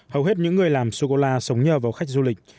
hầu hết những người làm sô cô la sống nhờ vào khách du lịch